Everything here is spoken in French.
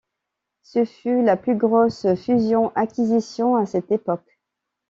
Ce fut la plus grosse fusion-acquisition à cette époque.